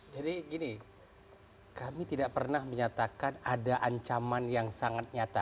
jadi gini kami tidak pernah menyatakan ada ancaman yang sangat nyata